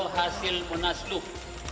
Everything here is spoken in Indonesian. hasil munasluk dua ribu enam belas